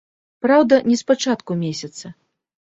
Праўда, не з пачатку месяца.